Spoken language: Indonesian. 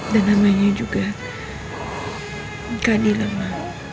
dan namanya juga kadila ma